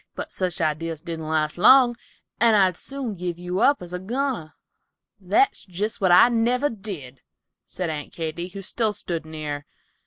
But such ideas didn't last long, and I'd soon give you up as a goner." "That's jest what I never did," said Aunt Katy, who still stood near.